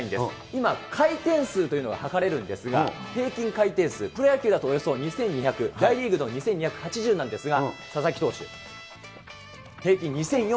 今、回転数というのが測れるんですが、平均回転数、プロ野球だとおよそ２２００、大リーグだと２２８０なんですが、佐々木投手、平均２４５０。